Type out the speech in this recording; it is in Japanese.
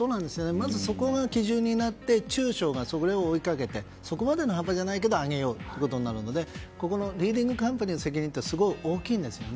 まず、そこが基準になって中小がそれを追いかけてそこまでの幅じゃないけど上げようということになるのでこのリーディングカンパニーの責任はすごく大きいんですよね。